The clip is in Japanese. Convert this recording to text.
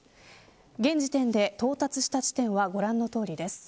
現時点で到達した地点はご覧のとおりです。